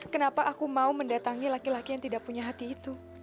kenapa aku mau mendatangi laki laki yang tidak punya hati itu